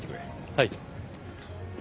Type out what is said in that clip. はい。